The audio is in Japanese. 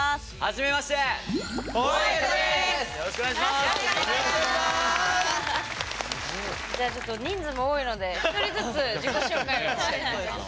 じゃあちょっと人数も多いので一人ずつ自己紹介を。